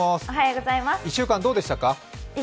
１週間どうでしたか？